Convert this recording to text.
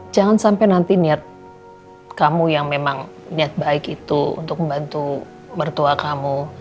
jangan sampai nanti niat kamu yang memang niat baik itu untuk membantu mertua kamu